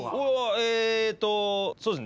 えっとそうですね